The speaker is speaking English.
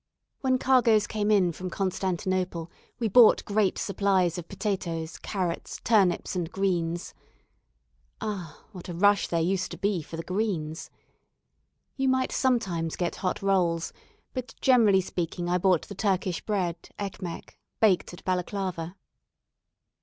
When cargoes came in from Constantinople, we bought great supplies of potatoes, carrots, turnips, and greens. Ah! what a rush there used to be for the greens. You might sometimes get hot rolls; but, generally speaking, I bought the Turkish bread (ekmek), baked at Balaclava.